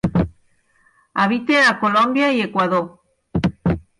Habita a Colòmbia i Equador.